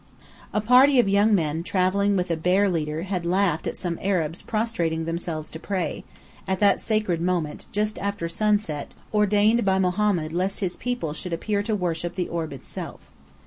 A party of young men travelling with a "bear leader" had laughed at some Arabs prostrating themselves to pray, at that sacred moment, just after sunset, ordained by Mohammed lest his people should appear to worship the orb itself.